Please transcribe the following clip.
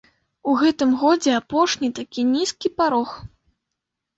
У гэтым годзе апошні такі нізкі парог.